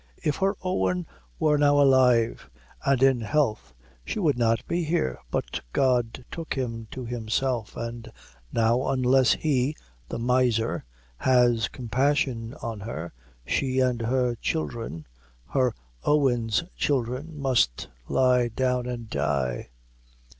"if her Owen wore now alive, and in health, she would not be here; but God took him to Himself, and now unless he the miser has compassion on her, she and her children her Owen's children must lie down and die!